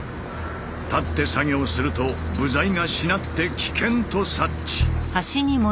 立って作業すると部材がしなって危険と察知。